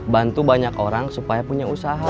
bantu banyak orang supaya punya usaha